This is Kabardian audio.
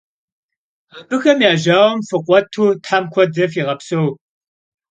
Abıxem ya jauem fıkhuetu Them kuedre fiğepseu!